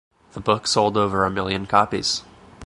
The book sold over a million copies.